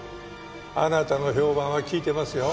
あなたの評判は聞いてますよ。